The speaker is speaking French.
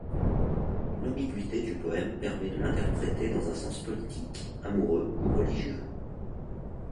L'ambiguïté du poème permet de l'interpréter dans un sens politique, amoureux ou religieux.